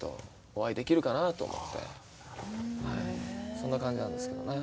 そんな感じなんですけどね。